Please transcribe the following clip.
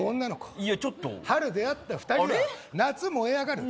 えいやちょっと春出会った２人は夏燃え上がるあれ？